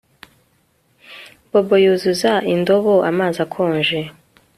Bobo yuzuza indobo amazi akonje